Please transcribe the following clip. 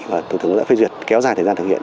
và thủ tướng đã phê duyệt kéo dài thời gian thực hiện